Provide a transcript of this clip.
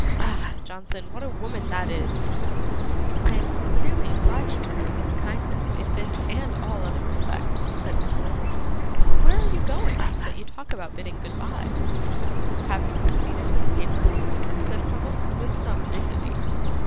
Ah! Johnson, what a woman that is!' 'I am sincerely obliged to her for her kindness in this and all other respects,' said Nicholas. 'But where are you going, that you talk about bidding goodbye?' 'Haven't you seen it in the papers?' said Crummles, with some dignity.